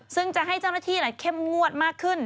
ซึ่งจะให้เจ้าหน้าที่เข้มงวดมากขึ้น